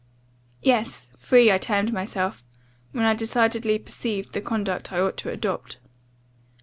Yes; free I termed myself, when I decidedly perceived the conduct I ought to adopt.